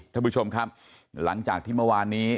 ท่านผู้ชมครับหลังจากที่เมื่อวานนี้